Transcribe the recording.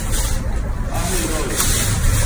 Arneiroz